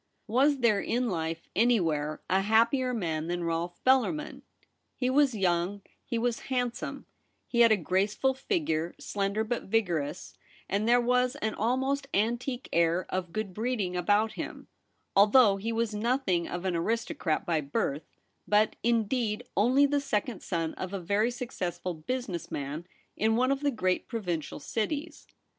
Was there In life anywhere a happier man than Rolfe Bellarmin ? He was young, he was handsome ; he had a graceful figure, slender but vigorous, and there was an almost antique air of good breeding about him, although he was nothing of an aristocrat by birth, but, indeed, only the second son of a very successful business man in one of the great provincial cities.